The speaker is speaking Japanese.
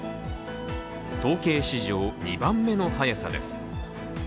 統計史上２番目の早さです。